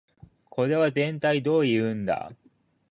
これはぜんたいどういうんだ